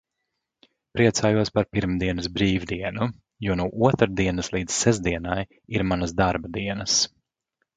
Priecājos par pirmdienas brīvdienu, jo no otrdienas līdz sestdienai ir manas darba dienas.